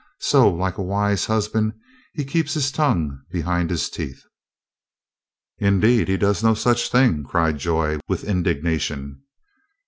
So like a wise husband, he keeps h's tongue behind his teeth." "Indeed, he does no such thing!" cried Joy with indignation.